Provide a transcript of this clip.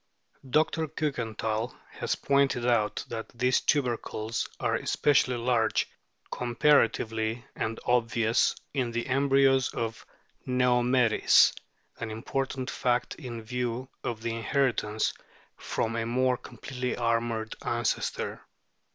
Dr. Klikenthal has pointed out that these tubercles are especially large compara tively, and obvious, in the embryos of Neomeris, an important fact in view of their inheritance from a more completely armoured ancestor.